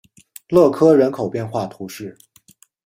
勒科人口变化图示